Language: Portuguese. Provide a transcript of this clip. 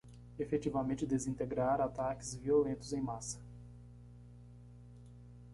Efetivamente desintegrar ataques violentos em massa